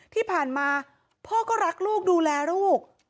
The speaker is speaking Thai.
ที่ผ่านมาพ่อก็รักลูกดูแลลูก